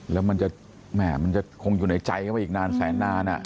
แล้วมันจะคงอยู่ในใจเข้าไปอีกนานแสนนาน